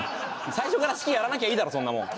最初から式やらなきゃいいだろそんなもん。